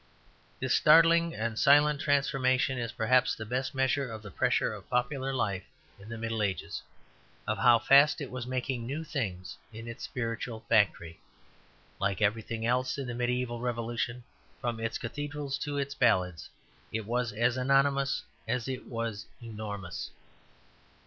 This startling and silent transformation is perhaps the best measure of the pressure of popular life in the Middle Ages, of how fast it was making new things in its spiritual factory. Like everything else in the mediæval revolution, from its cathedrals to its ballads, it was as anonymous as it was enormous.